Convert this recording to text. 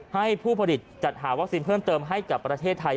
ให้ผู้ผลิตจัดหาวัคซีนเพิ่มเติมให้กับประเทศไทย